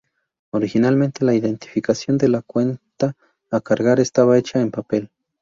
Originalmente la identificación de la cuenta a cargar estaba hecha en papel.